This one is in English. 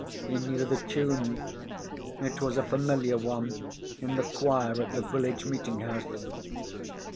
He knew the tune; it was a familiar one in the choir of the village meeting house.